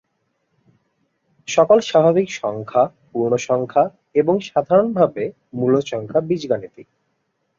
সকল স্বাভাবিক সংখ্যা, পূর্ণ সংখ্যা, এবং, সাধারণভাবে, মূলদ সংখ্যা বীজগাণিতিক।